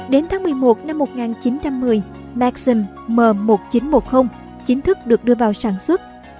đến tháng một mươi một năm một nghìn chín trăm một mươi maxim m một nghìn chín trăm một mươi chính thức được đưa vào sản xuất